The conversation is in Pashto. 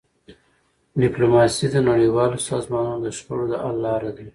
ډيپلوماسي د نړیوالو سازمانونو د شخړو د حل لاره ده.